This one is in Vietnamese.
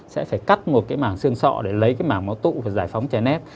sẽ phải cắt một cái mảng xương sọ để lấy cái mảng máu tụ và giải phóng trái nét